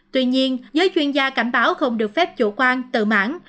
tuy nhiên giới chuyên gia cảnh báo không được phép chủ quan tự mãn